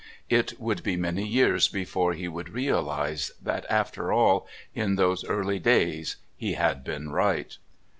It would be many years before he would realise that, after all, in those early days he had been right...